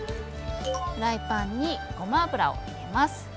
フライパンにごま油を入れます。